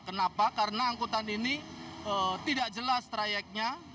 kenapa karena angkutan ini tidak jelas trayeknya